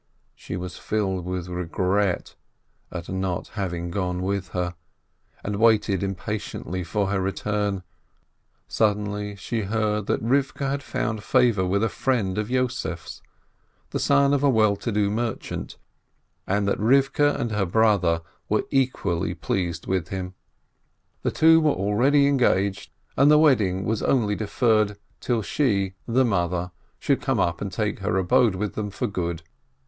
She was filled with regret at not having gone with her, and waited impatiently for her return. Suddenly she heard that Rivkeh had found favor with a friend of Yossef's, the son of a well to do merchant, and that Rivkeh and her brother were equally pleased 304 BERSCHADSKI with him. The two were already engaged, and the wedding was only deferred till she, the mother, should come and take up her abode with them for good.